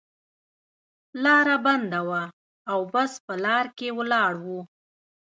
لاره بنده وه او بس په لار کې ولاړ و.